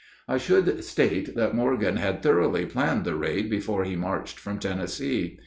I should state that Morgan had thoroughly planned the raid before he marched from Tennessee.